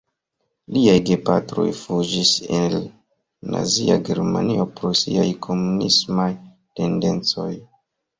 Liaj gepatroj fuĝis el Nazia Germanio pro siaj komunismaj tendencoj.